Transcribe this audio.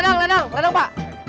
bapak bisa mencoba